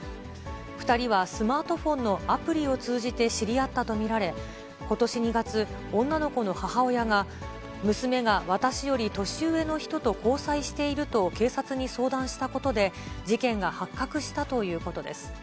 ２人はスマートフォンのアプリを通じて知り合ったと見られ、ことし２月、女の子の母親が、娘が私より年上の人と交際していると、警察に相談したことで、事件が発覚したということです。